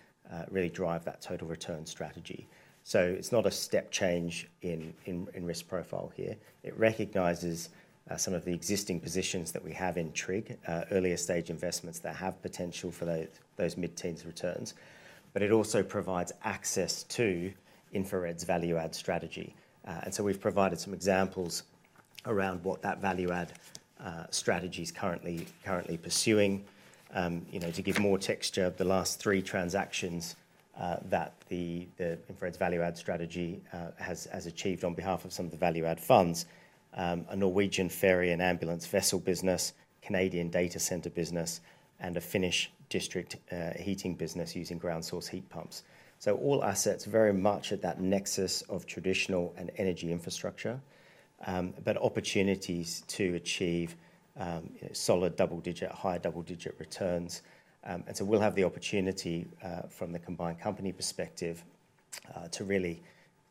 really drive that total return strategy. It is not a step change in risk profile here. It recognizes some of the existing positions that we have in TRIG, earlier stage investments that have potential for those mid-teens returns, but it also provides access to InfraRed's value-add strategy. We have provided some examples around what that value-add strategy is currently pursuing to give more texture of the last three transactions that InfraRed's value-add strategy has achieved on behalf of some of the value-add funds: a Norwegian ferry and ambulance vessel business, a Canadian data center business, and a Finnish district heating business using ground source heat pumps. All assets are very much at that nexus of traditional and energy infrastructure, but opportunities to achieve solid higher double-digit returns. We will have the opportunity from the combined company perspective to really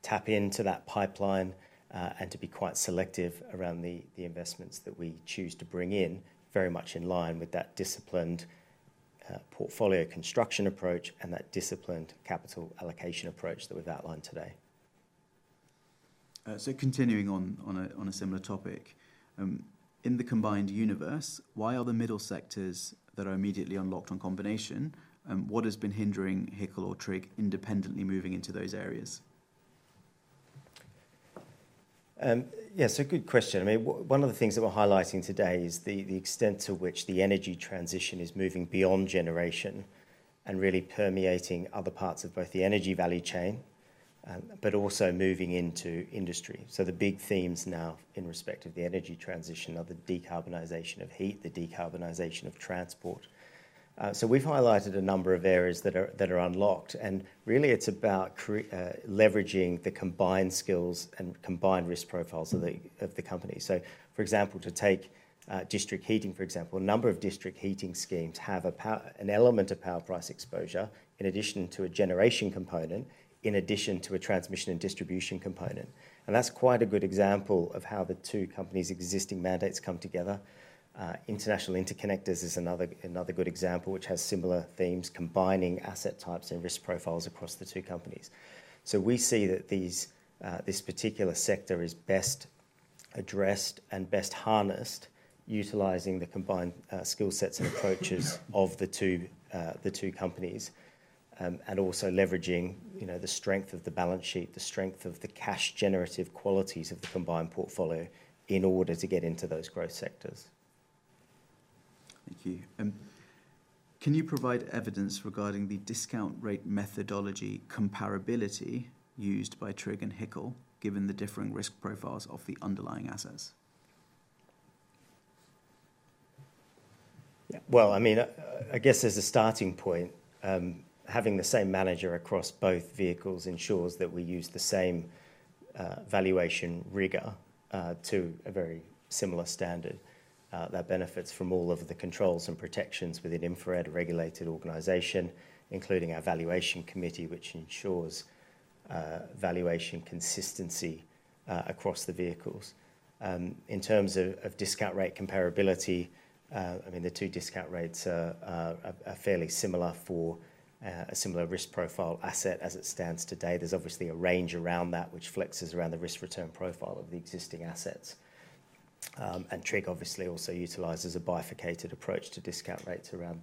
tap into that pipeline and to be quite selective around the investments that we choose to bring in, very much in line with that disciplined portfolio construction approach and that disciplined capital allocation approach that we have outlined today. Continuing on a similar topic, in the combined universe, why are the middle sectors that are immediately unlocked on combination? What has been hindering HICL or TRIG independently moving into those areas? Yeah, it's a good question. I mean, one of the things that we're highlighting today is the extent to which the energy transition is moving beyond generation and really permeating other parts of both the energy value chain, but also moving into industry. The big themes now in respect of the energy transition are the decarbonization of heat, the decarbonization of transport. We've highlighted a number of areas that are unlocked, and really it's about leveraging the combined skills and combined risk profiles of the company. For example, to take district heating, a number of district heating schemes have an element of power price exposure in addition to a generation component, in addition to a transmission and distribution component. That's quite a good example of how the two companies' existing mandates come together. International Interconnectors is another good example, which has similar themes, combining asset types and risk profiles across the two companies. We see that this particular sector is best addressed and best harnessed utilizing the combined skill sets and approaches of the two companies and also leveraging the strength of the balance sheet, the strength of the cash-generative qualities of the combined portfolio in order to get into those growth sectors. Thank you. Can you provide evidence regarding the discount rate methodology comparability used by TRIG and HICL, given the differing risk profiles of the underlying assets? Yeah, I mean, I guess as a starting point, having the same manager across both vehicles ensures that we use the same valuation rigor to a very similar standard that benefits from all of the controls and protections within InfraRed-regulated organization, including our valuation committee, which ensures valuation consistency across the vehicles. In terms of discount rate comparability, I mean, the two discount rates are fairly similar for a similar risk profile asset as it stands today. There is obviously a range around that, which flexes around the risk return profile of the existing assets. TRIG obviously also utilizes a bifurcated approach to discount rates around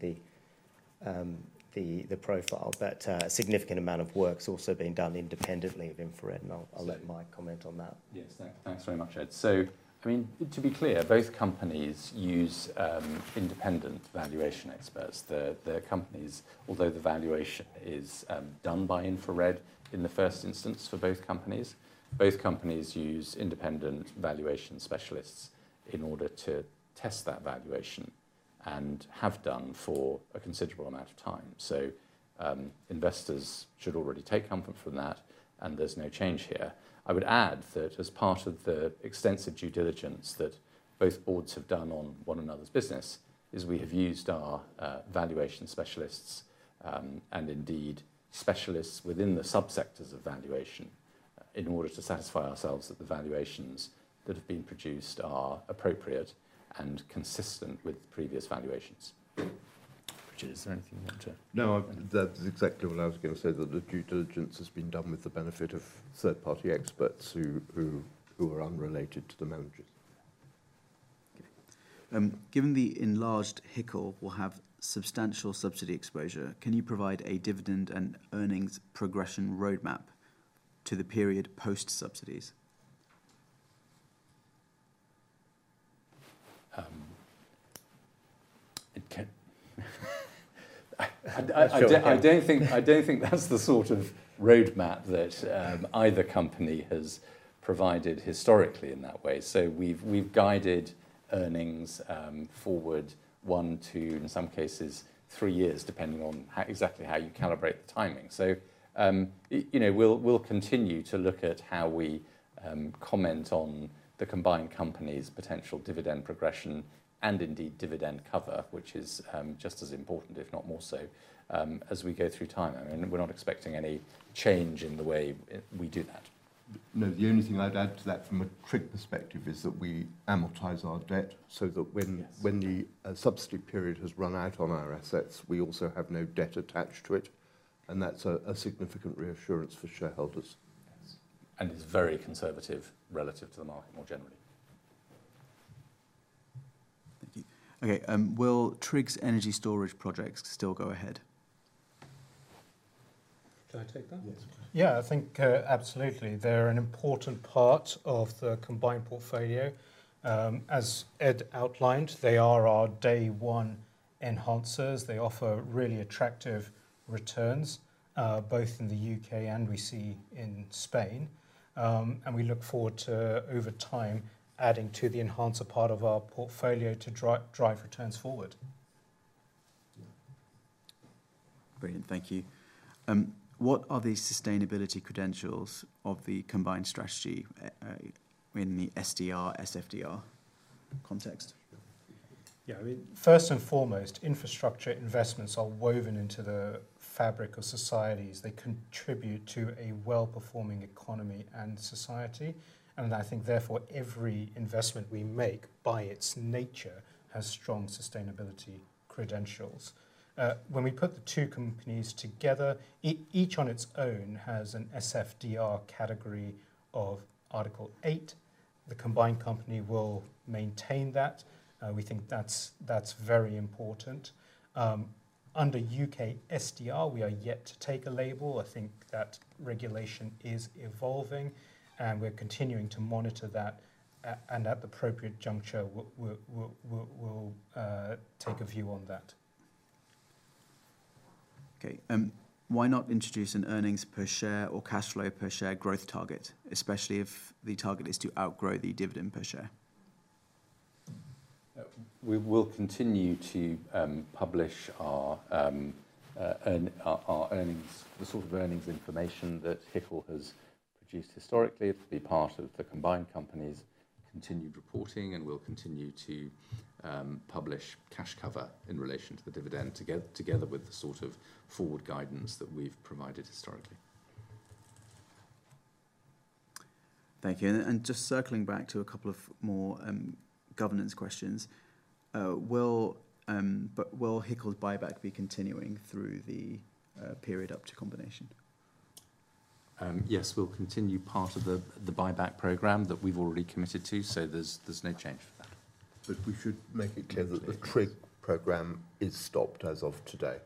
the profile. A significant amount of work's also been done independently of InfraRed, and I'll let Mike comment on that. Yes, thanks very much, Ed. I mean, to be clear, both companies use independent valuation experts. The companies, although the valuation is done by InfraRed in the first instance for both companies, both companies use independent valuation specialists in order to test that valuation and have done for a considerable amount of time. Investors should already take comfort from that, and there's no change here. I would add that as part of the extensive due diligence that both boards have done on one another's business is we have used our valuation specialists and indeed specialists within the subsectors of valuation in order to satisfy ourselves that the valuations that have been produced are appropriate and consistent with previous valuations. Richard, is there anything you want to? No, that's exactly what I was going to say, that the due diligence has been done with the benefit of third-party experts who are unrelated to the managers. Given the enlarged HICL will have substantial subsidy exposure, can you provide a dividend and earnings progression roadmap to the period post-subsidies? I don't think that's the sort of roadmap that either company has provided historically in that way. We've guided earnings forward one, two, in some cases, three years, depending on exactly how you calibrate the timing. We'll continue to look at how we comment on the combined company's potential dividend progression and indeed dividend cover, which is just as important, if not more so, as we go through time. I mean, we're not expecting any change in the way we do that. No, the only thing I'd add to that from a TRIG perspective is that we amortize our debt so that when the subsidy period has run out on our assets, we also have no debt attached to it. That's a significant reassurance for shareholders. It is very conservative relative to the market more generally. Thank you. Okay, will TRIG's energy storage projects still go ahead? Can I take that? Yes. Yeah, I think absolutely. They're an important part of the combined portfolio. As Ed outlined, they are our day-one enhancers. They offer really attractive returns both in the U.K. and we see in Spain. And we look forward to, over time, adding to the enhancer part of our portfolio to drive returns forward. Brilliant, thank you. What are the sustainability credentials of the combined strategy in the SDR/SFDR context? Yeah, I mean, first and foremost, infrastructure investments are woven into the fabric of societies. They contribute to a well-performing economy and society. I think therefore every investment we make by its nature has strong sustainability credentials. When we put the two companies together, each on its own has an SFDR category of Article 8. The combined company will maintain that. We think that's very important. Under U.K. SDR, we are yet to take a label. I think that regulation is evolving, and we're continuing to monitor that. At the appropriate juncture, we'll take a view on that. Okay, why not introduce an earnings per share or cash flow per share growth target, especially if the target is to outgrow the dividend per share? We will continue to publish our sort of earnings information that HICL has produced historically to be part of the combined company's continued reporting, and we'll continue to publish cash cover in relation to the dividend together with the sort of forward guidance that we've provided historically. Thank you. Just circling back to a couple of more governance questions, will HICL's buyback be continuing through the period up to combination? Yes, we'll continue part of the buyback program that we've already committed to, so there's no change for that. We should make it clear that the TRIG program is stopped as of today.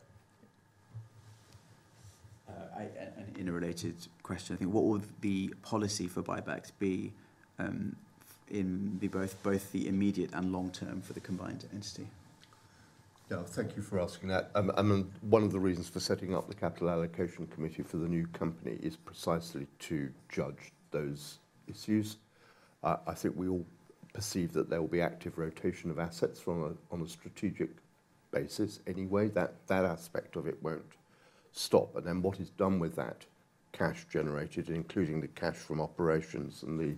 An interrelated question, I think. What would the policy for buybacks be in both the immediate and long term for the combined entity? Yeah, thank you for asking that. I mean, one of the reasons for setting up the capital allocation committee for the new company is precisely to judge those issues. I think we all perceive that there will be active rotation of assets on a strategic basis. Anyway, that aspect of it will not stop. What is done with that cash generated, including the cash from operations and the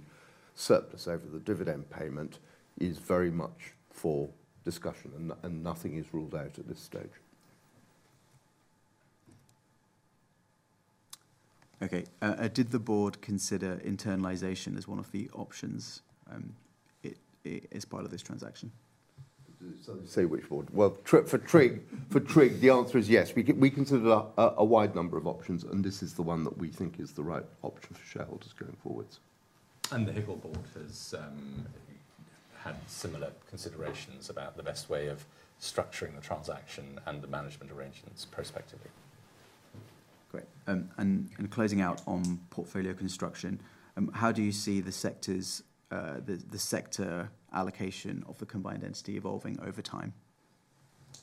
surplus over the dividend payment, is very much for discussion, and nothing is ruled out at this stage. Okay, did the board consider internalization as one of the options as part of this transaction? Say which board. For TRIG, the answer is yes. We considered a wide number of options, and this is the one that we think is the right option for shareholders going forwards. The HICL board has had similar considerations about the best way of structuring the transaction and the management arrangements prospectively. Great. Closing out on portfolio construction, how do you see the sector allocation of the combined entity evolving over time?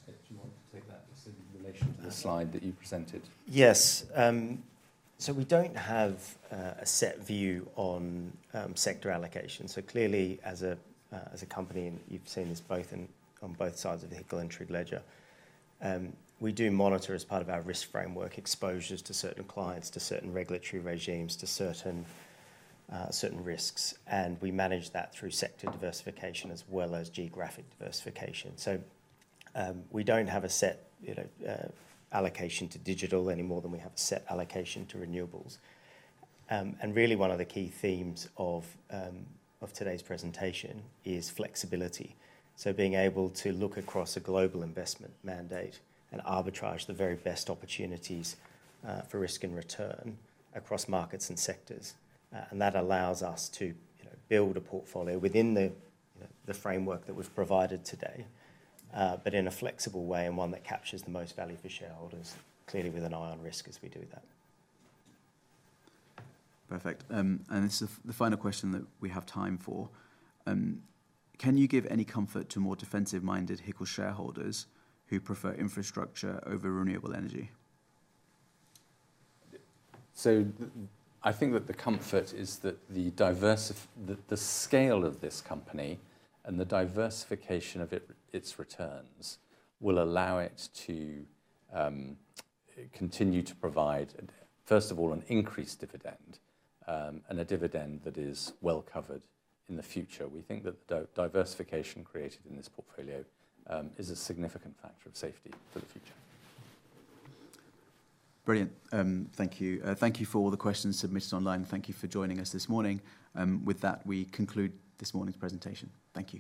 Ed, do you want to take that in relation to the slide that you presented? Yes. We do not have a set view on sector allocation. Clearly, as a company, and you have seen this on both sides of the HICL and TRIG ledger, we do monitor as part of our risk framework exposures to certain clients, to certain regulatory regimes, to certain risks. We manage that through sector diversification as well as geographic diversification. We do not have a set allocation to digital any more than we have a set allocation to renewables. Really, one of the key themes of today's presentation is flexibility. Being able to look across a global investment mandate and arbitrage the very best opportunities for risk and return across markets and sectors. That allows us to build a portfolio within the framework that was provided today, but in a flexible way and one that captures the most value for shareholders, clearly with an eye on risk as we do that. Perfect. This is the final question that we have time for. Can you give any comfort to more defensive-minded HICL shareholders who prefer infrastructure over renewable energy? I think that the comfort is that the scale of this company and the diversification of its returns will allow it to continue to provide, first of all, an increased dividend and a dividend that is well covered in the future. We think that the diversification created in this portfolio is a significant factor of safety for the future. Brilliant. Thank you. Thank you for all the questions submitted online. Thank you for joining us this morning. With that, we conclude this morning's presentation. Thank you.